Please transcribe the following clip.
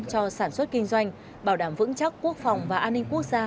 cho sản xuất kinh doanh bảo đảm vững chắc quốc phòng và an ninh quốc gia